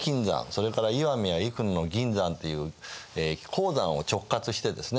それから石見や生野の銀山っていう鉱山を直轄してですね